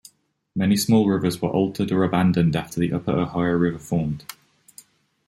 Many small rivers were altered or abandoned after the upper Ohio River formed.